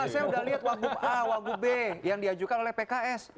saya sudah lihat wagub a wagub b yang diajukan oleh pks